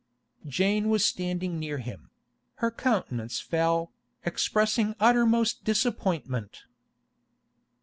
Jane was standing near him; her countenance fell, expressing uttermost disappointment.